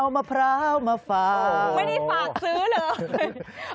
ไม่ได้ฝากซื้อเลย